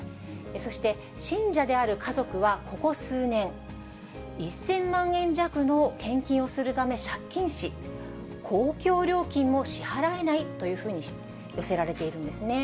そして、信者である家族は、ここ数年、１０００万円弱の献金をするため借金し、公共料金も支払えないというふうに寄せられているんですね。